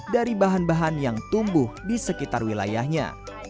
dari bahan bahan yang tumbuh di sekitar wilayahnya